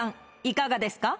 いかがですか？